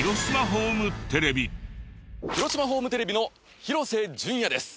広島ホームテレビの廣瀬隼也です。